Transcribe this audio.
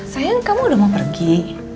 sayang kamu udah mau pergi